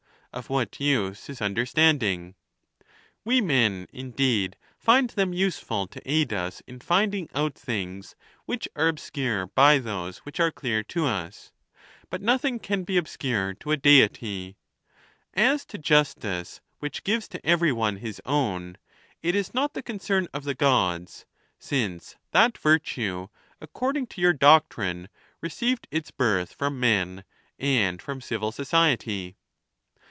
of what use is understanding? We men, indeed, iind them useful to aid us in finding out things which are obscure by those which are clear to us; but nothing can be obscure to a Deity. As to justice, which gives to every one his own, it is not the concern of the Gods ; since that virtue, according to your doctrine, re ceived its birth from men and from civil society.